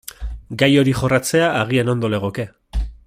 Gai hori jorratzea agian ondo legoke.